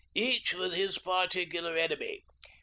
"Each with his particular enemy.